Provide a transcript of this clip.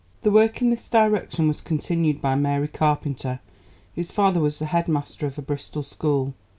The work in this direction was continued by Mary Carpenter, whose father was the headmaster of a Bristol school.